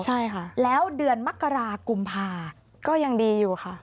ใช่ค่ะแล้วเดือนมกรากุมภาก็ยังดีอยู่ค่ะ